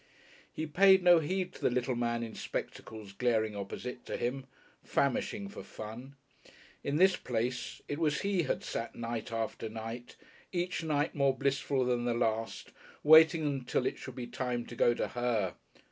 He paid no heed to the little man in spectacles glaring opposite to him, famishing for Fun. In this place it was he had sat night after night, each night more blissful than the last, waiting until it should be time to go to Her!